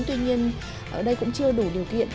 tuy nhiên ở đây cũng chưa đủ điều kiện